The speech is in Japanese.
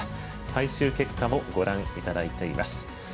最終結果もご覧いただいています。